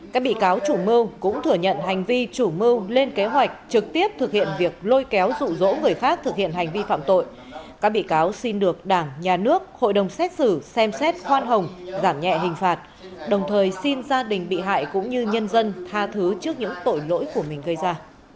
các bị cáo chủ mưu cũng thừa nhận hành vi chủ mưu lên kế hoạch trực tiếp thực hiện việc lôi kéo rụ rỗ người khác thực hiện hành vi phạm tội các bị cáo xin được đảng nhà nước hội đồng xét xử xem xét khoan hồng giảm nhẹ hình phạt đồng thời xin gia đình bị hại cũng như nhân dân tha thứ trước những tội lỗi của mình gây ra